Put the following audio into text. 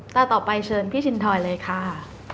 ต่อไปเชิญพี่ชินทอยเลยค่ะ